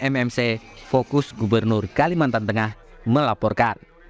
tim msi fokus gubernur kalimantan tengah melaporkan